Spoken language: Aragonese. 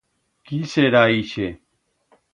Quí será ixe?